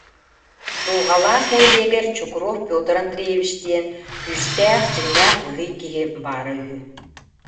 Дулҕалаах нэһилиэгэр Чукров Петр Андреевич диэн күүстээх, дьиҥнээх быһый киһи баара үһү